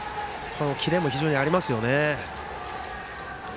キレも非常にありますよね。